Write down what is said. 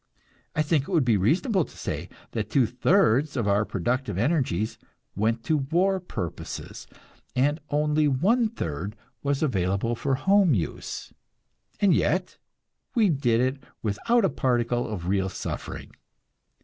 I think it would be reasonable to say that two thirds of our productive energies went to war purposes, and only one third was available for home use. And yet, we did it without a particle of real suffering.